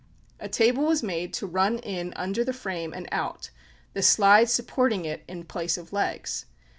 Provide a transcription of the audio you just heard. A table was made to run in under the frame and out, the slide supporting it in place of legs.